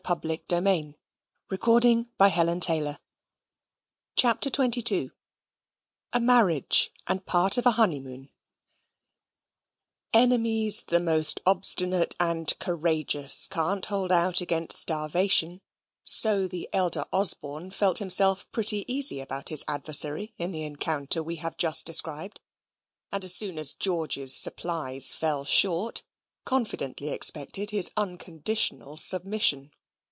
"I love her more every day, Dobbin." CHAPTER XXII A Marriage and Part of a Honeymoon Enemies the most obstinate and courageous can't hold out against starvation; so the elder Osborne felt himself pretty easy about his adversary in the encounter we have just described; and as soon as George's supplies fell short, confidently expected his unconditional submission.